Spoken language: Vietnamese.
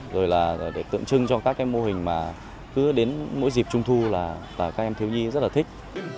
rồi là để tượng trưng cho các cái mô hình mà cứ đến mỗi dịp trung thu là các em thiếu nhi rất là thích